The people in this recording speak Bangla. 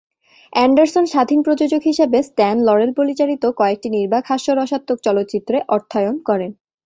অ্যান্ডারসন স্বাধীন প্রযোজক হিসেবে স্ট্যান লরেল পরিচালিত কয়েকটি নির্বাক হাস্যরসাত্মক চলচ্চিত্রে অর্থায়ন করেন।